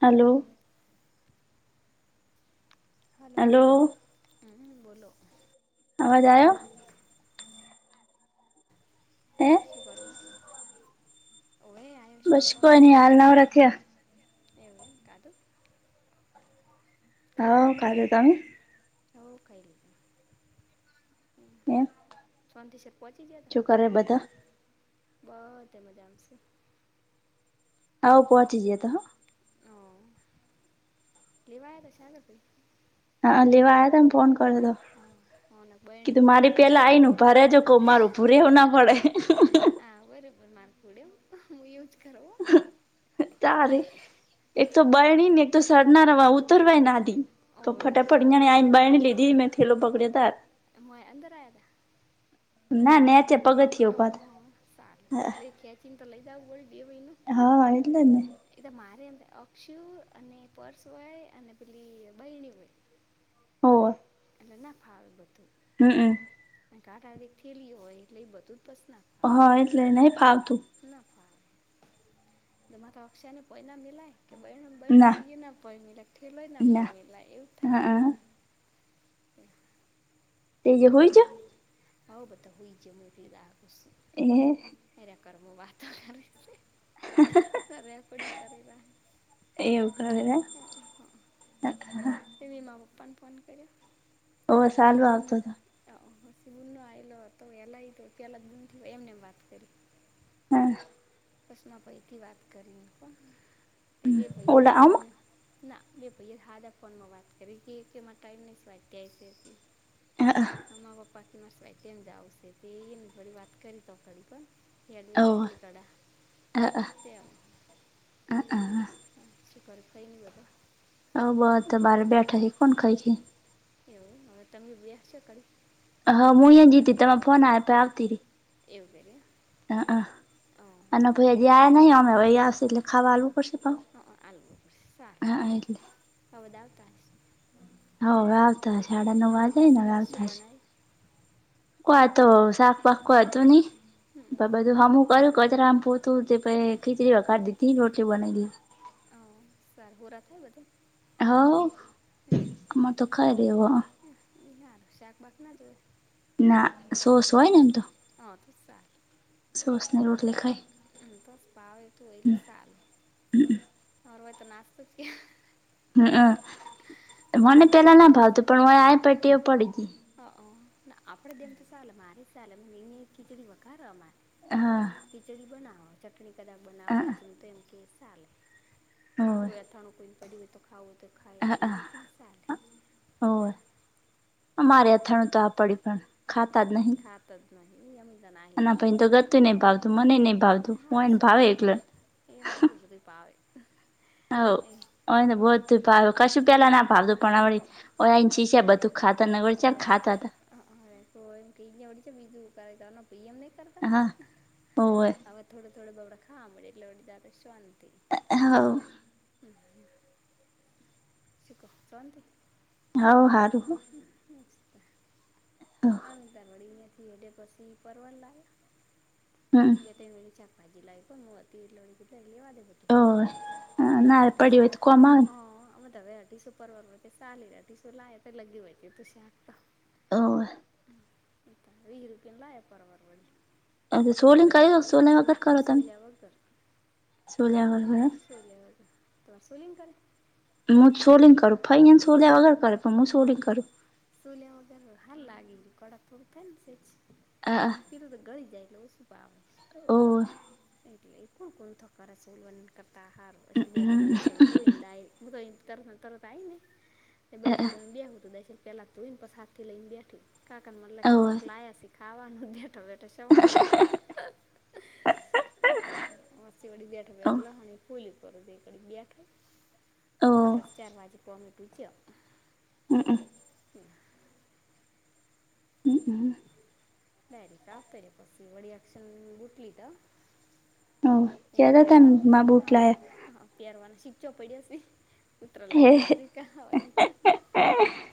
Hello hello હ બોલો આવાજ આવ એ શ કર ઓવે આ બસ કોઈ નઈ હાલ નવરાખ્યા એવને કદ હા ખાતે તમે હવ કલી એમ સંદેશે પચી ગયા કર બધા બહુત હ મજામાંશે આવઉ પહોંચી જ તો હ હ લ લીવા થ છે નથી હા લેવા તમે ફોન કર દો હા હોને બહેણીને કીધું બધું મારી ના પેલા ફાવે આઈને ઉભા રહેેજો કહ માર ઉભું ર રહેવું ના પડે. હા બરોબર ના પડેું ુંજ કર તારે એક તો બહેણી ને એક તો સરનારામાં ઉતરવાને આજ તો ઓવે ફટાફટ નાને આન બ લીધી મેં થેલો પકડ્યા ત એ મોયા અંદર આવયા હતા. ના નેચે પગથીયો ભ ખેં ચિતાાલે જાવોલ ડે હોઈ ન હા વાયટલે ને એટલે મારી અંદર અક્ષુ અને પર્સ હોય અને પેલી બહેણી હોય. હોર એ ના ફાવ બધું. હમ ઘા ડાયરેક્ટ થેલી હોય એટલે એ બધું જ પસ નથી. હા એટલે નહી ફાવ તું એ મા તો અક્ષયને પોલામ મિલાાય કે બહેણ બહેણએ ના ફમીલા ેલોય ના ફ મેીલા એવું થાય. હા હમ તે જે શ હોય છે હ બધા હોઈ છે મ ગાહ ખુશ. એ એરે કરમું વાતાવરણ ર છે. સરે કોડીંગ કરવા હ ત તેવી મા પપ્પાને ફોન કર્યો ઓ વરી સાલું બૂલ આવતો હતો ગુ ન આલો હતો વેલા પલા જ ગૂ એમને વાત કરી. હા કસમા ભાઈથી વાત કરીને પણ તે બે ભાઈ જ ઓલા આમ એમને ના મેં ભૈયા હાદ ફોનમાં વાત કરી હતી કેમાં ટાઈમ નહીં વાત્યા છે હતી. હ હમા પપ્પાથી મસ્તાઈ તેમમ જ આવશે તેને થડી વાત કરી ત ઘડી પણ એયા દ તટલી કડા તેમ હ શક થઈન દબા હ બહ ત બાર બેઠ હ કોન ખૈ છે. એવું હવે તમે વ્યા છો ક હ હું અહીયા જીતી તમે ફોન આવ પે આવતી ર એવું કર અ અને ભાઈ હજી આ નહીં અમે વહીંયાી લેખાવાલું. હા હ આલે હ બદ આવતા હ વ આવતા સાડા હમ, નવ હમ. વાજે ને શું વવતા બનાવી કોઈતો શાક પાક કોઈ હતું નહી હમ બધું હમું કર્યું કોત રામપુર તું તે પ ખીચરી વા કાઢતી હતી રોટલી બનાઇ દીધી. ઓ સરાર હોરા થ બધા. હા આમ તો ખાય રેવા. શું શાકભાત ના જોવે. ના સોસ હોય ને એમ તો. હ તો સારુ. સોસ ને રોટલી ખાય. બસ પાવ તું એલે સારુ. હવાર હોય તો નાસ્તો કે. હમમ મને આપણે તો પેલા ના ભાવતું પણ ઓય આયા તો ટેવ પડી ગઈ. હ ના આપડે દમ તો ચાલે મારે ચાલે એને ખીચડી વખા અમારે. હા ખીચડી બનાવો ચટણી કદાક બનાવો હા બાજુું તો એમ કે સાલે. હોવે કોઈ અથાણું કોઈ પડ્યું હોય તો ખાવું તો ખાય એવી રીત મ સાલે. હોવ. પણ અમારે એટલી અથાણું તો આ પડિયું હે ખાતા જ હમ, નહી ખાત જ નહીં એમ તને આહી અને આ ભઈ ને તો ગત ગતુંય નઈ ભાવતું મનેય નઈ ભાવ હારુ શોન્તી એને હારુ બધુંય ભાવે. હ ઓય તો વધુ ભાવે કશું પેલા ના ભાવતું પણ વળી ઓહે આવીને શીખ્યા બધું. ખાતા ન વળી ક્યાં ખાતા હતા. હારે તો એમ કડી છે બીજું ત પીએમ નઈ કરે. હ હોવે. હવે થોડો થોડો બાબળા ખવા મળે એટલે વળી તારે શોન્તી. હ હાવ. હમ્મ. ઠીક હો શોન્તી. હાવ હારું. મસ્ત. અ વિ તાર વડી હડે પછી પરવર હમ લાવ્યા બે વ ચ. આજી લાઈફ મુતી એટલે વળી કે રેવા ડે. હ નારે પડીયુ હોત તો કોમ આવે. અમે હવે અઢીસું પરવર માંથી સાાલી રે અઢીસું લાયા તો લગી હોય કી તું શાક તો. હોવે. વિહી રૂપિયા ના લાયા પરવર વળી. અ સોલી ને કરો કે સોલ્યા વગર ના કરો તમે સોલ્યા વગર સોલ્યા વગર જ. સોલિયા વગર. તમારે શોલી ને કરે. હું ચોલીને કરું ફઈ હે ને ચોલીયા વગર કરે પણ હું ચોલીને કરુ. ચોલીયા વગરનું હાર લાગે કડક થાય ને સેજ. અ આ. અને પીલું તો ગળી જાય એટલે ઓછું ભાવ. હોવે. એટલે એ કોણ કોણ થકાર છેલ કરતા આહાર બેપણી. ધોઈને ડાયરેક્ટ. હું તો અહીં થી તરત ને તરત આઈને. જોડે લઈ ને બેહું તો દાય પેલા ધોઈને પસે હાથ થી લઈને બેઠી કાકાને મતલે કે કોક લાયા શી. ખાવાનું બેઠો બેઠો સવારે. બેઠો બેઠો લહન એ ફોલીયું. કડી બેઠો ઓવે બસ ચાર વાજે કોમે ધોકીયો. હમ હ. હમ્મ હ. બ્યારે કાફ કરી પસલી વડી એક્શન ઉઠલી ત. હ કેતા તા ને માર બુટ હા લાયા. હા પહેારવાનો શીખ્ચો પડ્યો છે પુત્ર લઈ ના જ લાયા કય એમ તો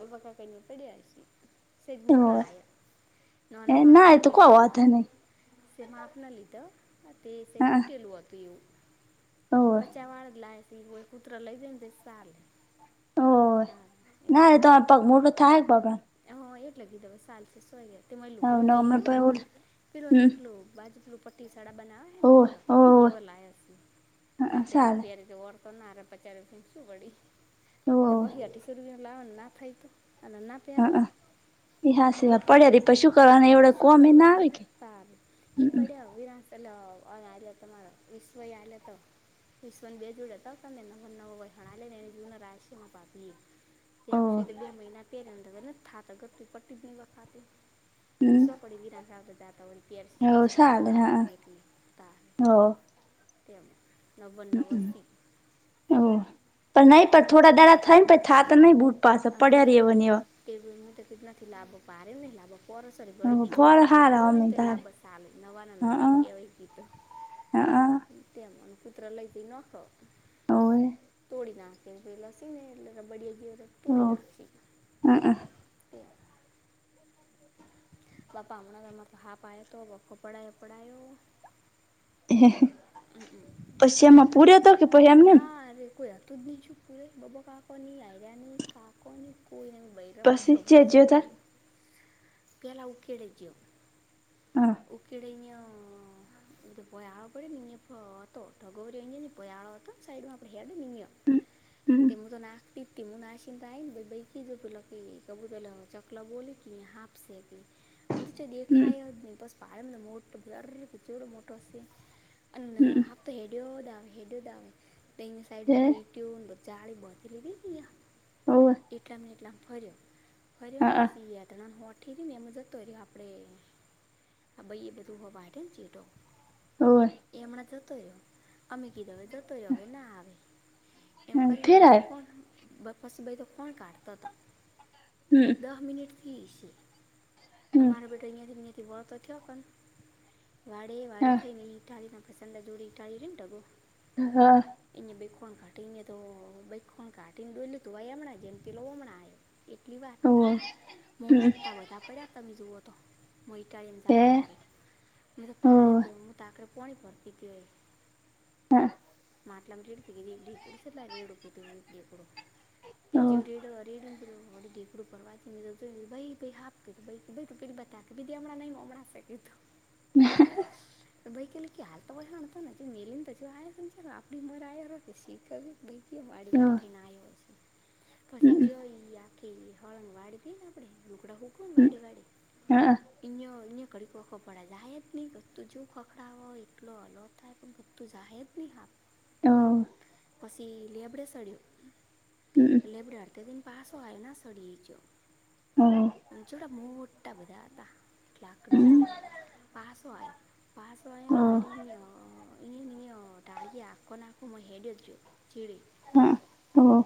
હબ ક ક પડીશ સજ મોટા આયા ના ના એ માફના તો કોઈ લીતા વાંધો નહી તે માપના લીધા તે સે હા તૂટેલું હતું એવું ઓવે પચાવાળ લાવ છે એવ એક કૂતરા લઈ જેને દ સાે ઓ ના તો પગ મોટ રૂ થ બાબ હ એટ લાગી દે સાલથી સોઈ ગયા તે હવ લુકડું ન હમણાં મેલું ઓલ ફિર હમ હખલું બાજ ઉપટી સાડાા બના એ ઓવે પોરા ઓવે ઇવ લ ના પરે સાલે પરે ઓર્ તો નારા પચાર શું પડી ઓવે બહી અઢીસો રપિયા લાવવાનું ના થાય તો ચાલ ના પ્ય્યારે તો એ હાચી વાત એક પડ્યા રે પછ શું કરવાના એવડે શું કોમ એ ના આવે કરવાનું કે સારું હમ ઈ પડ વિરાસલ આલ હતો મારો વિશ્વય આલ હતો કિશવન બે જોડે હતા તને નવ નવ વય હણાલે તેને જૂવનશ્યમાં પા આપીએ તેી હમ બે મહિના પહેંદર નથી થાતા ગતું પટી જ નહી વખાતી પિસ્સો પડીે વિરા જાતા હોય હો પ્યારસ મોટા થા એક થા હ તેમ નવ નવ સ ઓ પણ નહી પણ થોડા દાડા થાય ને થા તો ન બટ અત ટેબલ કેનાથી લાવ પે લાવ પડ વળી એવા બીજે ફળ વખત લાભો હારા હોય અમે ને તો તારે લાભ ચા આવે નવાને નવા ક્યાવાય કી તો હા હ તેમનું પુત્ર લઈ જઈ નખો હોવે પૂડી ના હાકકી એ લ સીને એ બડી ગી પૂડી હો ના હઅ હાકીી બાપા હમણાં તમાં તો હાપ્યો તો બપ્ફો પડાયો પડાયો હ હમ હમ યામાં પૂરા તર નારે કોઈ હતું જ છું પુરે બાબા કાકો નની લાઈ રહ્યા ને કાકો ની કોઈનેું ભાઈ રબઈ પછી જે રબર જ્યો તાર તોડયું પેલા ઉકેડી ગયો હા ઉકેડે યા એ પો આળ આપણેે મની પોતોટો ગરીની પોયા આળ સઈડમાં આપણે હય મની હમ હમ તે મુ તો નાખીપમું આશિંદ આકી જ લ કબું ચકલ બોલી ક હા હતી મ હમ દેખા બસ પામ મોટ બડ મોટ હમ અ એ દ સાડ હે બતી લી હોવે એટલા એટલા ફર્યો ફર્યો ને હઅ પછી યાત્ર હો ઠીક ને એમાં જતો હો રહ્યો આપણે આ ભાઈ એ બધું હોવાને ચીટો હોવે એ હમણાં થતો રહ્યો અમેી કીધોવે દતોય હવે ના આવે એમ કરીને ફેર ભાઈ તો આયો કોણ પસી ભાઈ તો કોણ કાઢતા હતા હમ એક દહ મિનિટથીસી હમ તમામારો બેટો અહિયાં થી અંથી વળતો થયો પણ વાળે વાડે હા થઈને ટાળીને ખસંદા દૂડી ટાળી ર ટ ગો હા એયા બે ખણ કાટીને તો બેણ કાટીને દ લીધું હોય હમણાં જેમથી લો હમણાં આ એટલી વાર હોવે એવું હોય દેડકું બેડકું મોટા બધા પડ્યા તમે જુઓ તો મઈટાળીને વા સારું મે તો ભાારેેું ત આકરે પોણી ભરતી હતીય હા માટલામ રેડ પી ગ કડીકડું સર લ ર એડ પીડીકડું જેીવ રેડ રેડ ઢીગડું પરવાથી ભ ભ હા તું પે બતા દીદી નમકેું હ ભાઈ કે કે હાલ તોછણતો ને મેલીને આપડી ઉર શીખ ભ વાડી વાડી થઈને આવ્યો હશે પછી જોઈ આખી હળંગ વાડી થઈ ને આપડે રુકડા ખુક બડે બાડે યા ડી કોખ પડા જાય જ નહું જો ખખડાવો એટલો હલો થાય પણ બક્તું જાય જ નહી આપ હા અછી લેબડ સડ્યો લેબડો હર તે દિન પાછો આવે ના સડએ જ હ છોડા મોટા બધા હતાા કકડી જોવડા પાાસો આવ પાો આવને વડી એ ન ડાડગ હાકો હકો માેદું ચીળી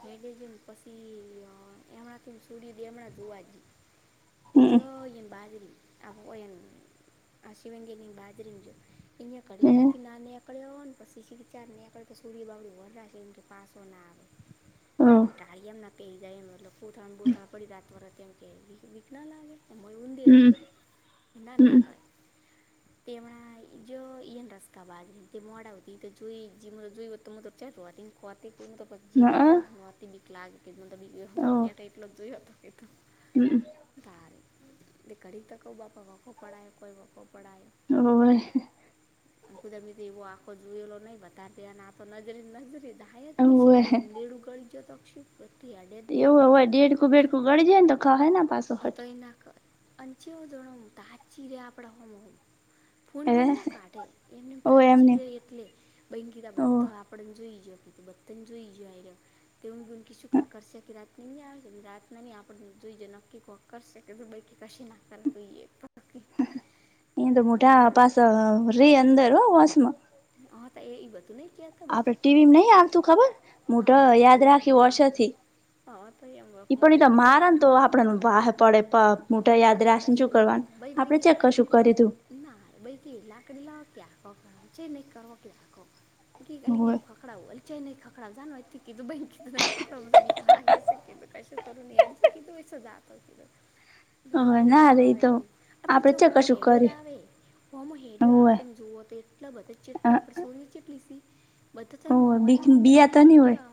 હેડે જેમ પછી હમણાંથી સુડી દે હમણાં જોવા જઈ રીડીયો એમ બાજરી એને આશિવાંગે બાજરન જો એ કડી બે હતી નનેે એરે ઓન પ સીખી વિચારને એક કર કે સૂરડી બાબડીરી હોરા છેિ કે પાસોને આવે અ ટામ નથી પે જાયને મતલબ પોથાણ બોથાણ પડી રાત વર એમ કે વી વીક ના લાગે એમ ભય ઊંધેડા હનામિયા કરળ તે હમં જો ન રસ્કા બાાગ મોડાતી જોઈ જોય તો મતલબ ચાર રવાતી કતે મલ જી બીક લાગે કેી એટલો જોયો હતો કેતો તારે એટ કડી તકો બાપા વા વકો પાયો કોઈ વખકો પઢાયો આ કુદમ એવો આખો જોયેલો નહી બતા દ અને આ નજરી નજરી આયાતની શખર ઊંદેળું ગળ જતોક્ષપ પ્રતિ આડે એવું હવે ઢ ક બેેડ ક ગળજેને તો ખા હેને પા હ તો એ નાખ અચવો જણો હ તો સાાચી રે આપડા હોમ હોું ફૂણ ભૂણ ના હટ કાઢે એમને એમ ઓ તાચી એમને ર એટલે બન ગીરા ઓ બધા આપ કપડન જો ઈજ પ બત્તન જો ઈજ તેું કશું કરશે કે રાત આવે રાતના ન આપણે જોઈ જ કો કર શ ત પૈકી કશ ના કર તો એ એ તો મુટા અમારા પાસ ર્રી અંદર વાસમાં હા એ ઈ બધું નઈ ક્યા આપડે ટીવી નહ આવતું ખબર હું હા ડ એમ યાદ કોઈ દે રાખ્યું હા વર્ષથી હા તો એમ વખમાં પણ તો કે મારા આવે ને તો આપડે વા પડે અવ મોટા આ યાદ તો રાખે શું કશું કરવાનું બઈ બળી આપડે ચેકશું કરીધું ગઈ ના ભ કે લાકડી લાવ ક્યાં કો છે નહી કરો ક્યાં કોલી હોવે ગમ ખકડા હોલ ચ નઈ ખકડા જાણવાય કીધું બ કી કક બીે કીું કશેું કરું કધું વિ શ જા કીધું [unintelligible] એ ના રે ઈ આવે તો છે આપ આપડે જો ચે હોમ કશું હેડયો કર્યું આવે હમ હેરિયો આવે હોવે તમે જોુવ તો એટલા બધા જેટલા આપડે સોરી ચટલી સી બધ થ હોવે મોરે બીક બીયા મોમરેમે તો ની હેડ હોય આ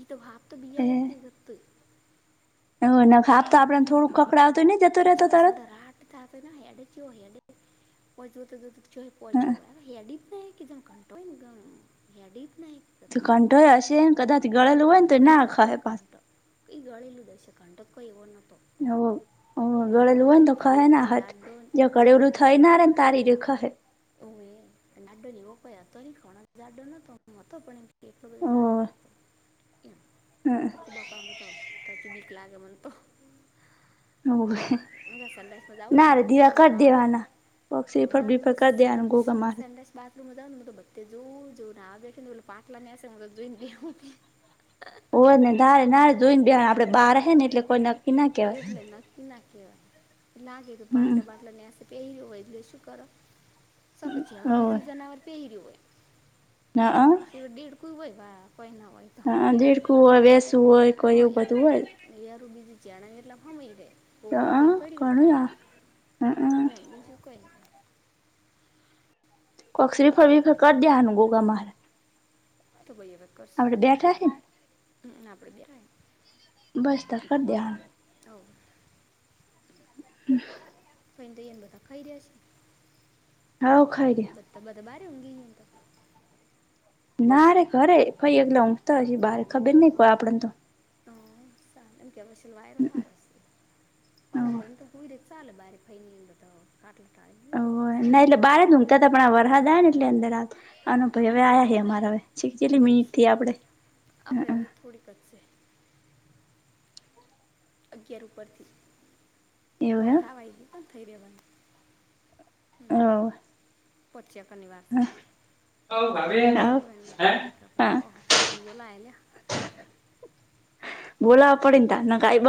એ તો ભાપ તો બીાય હતી રત એ ખા આપ તો આપડને થોડુંક કકડા તો ને અનેમચ સાડા રાટ તને હડ ચ હે પોચ હઅ પોચ્યો હોય હેડીત ના કેધમ કંટો ને ગ હેડીત ના તો કંટોય હશે ને કદાચ ના ગળેલું હોય ને કન્ટો તો ના એવોત કો ખહે પાસ કટો એ ગાલું દશે કંઠકોઈવો ન તો હ ગળેલું હોય ને તો ખ ના દેખાય હાથ જાડો જે જાડો ગળેવલું થઈ ના ર તારી રે ખએ ઓ એ તો ડો જેવો પ હ હતો ખણ દાડો ન તો મ હતો પણડ [unintelligible] [unintelligible] હોવ હઅ હજુ બીક લાગે મન તો. હોવે તાર મ સનરાઈઝ માં આવું ને બાથરૂમ માં ના આવે બક્સફટ બીફટકા ધ્યાન ગો ગ માર બાથરૂમમાં જઉાવ ને હું બધે જોવ જોઉ નેેને પાટલા નેસે હું જોઈ ને બેશું. હો ને ધારે નારે જોઈ ને બે એ આપડે બાર હ હા ને એટલે કોઈ ના કેવાય એટલે નકી ના કેવા [inaudible] લાગે તું હમ બાટલા બાટલા ને પહેર્યો હોય એટલે શું કરો શકે છે એણ હોવે બીજું જનાવર પહેર્યું હોય. હન છેવટે દેડક્યું હોય કાઈ ના હોય તો. હ એમ દેડકું હોય વેસુ હોય એવું બધું હોય. એરૂ બીજું જરાય એટલા માં હમાય રે. પોકડું અ થને પડી ગું ઘણું હમ ટાટામાં એમ બીજું કોઈને કોક શ્રીફળ બ્રિફળ કરી દેવાનું ગોગા મહા હતુ ભઇ આવે કરસુ આપડ બેઠા છેને હમ આપડે બ બસ ત કર દ હ હવ હમ ફઈને દઈ એને બધા ખાઈ રહ્યા છે હા ખાઈ રહ સત્ બ તો બહરઊંગી હો તો [unintelligible] નારે ઘરે ફઈ એકલા ઊંઘતા હશે બઆરે ખબર નહ કોઈ આપડને તો હ એમ કે વાયરો હારશેના હોવે ભને તો હય મ સાલ ભારે ફૈની તો તો કાટલા ટા [inaudible] ના એટલે બારે ધૂમતા હતા પણ આ વરસાદાય ને એટલે અંદર આવ તો આન ભાઈ હવે આ્યા છે અમારા હવે છે જેટલી મિનિટથી આપડે હ થોડીકશે અગિયાર ઉપરથી એવું બહાર હે થવાય પણ થઈ રહેવાનું હ પઠિયાક નિવા છે કપાય તો કપાય નકર નાય હા કપાય ઓહો ભાભી ને બોલાય બોલાવા પડીને ત નકા આઇ બા